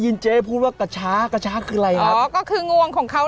คุณผู้ชมน่าสนใจเจ๊กำลังเผามะพร้าว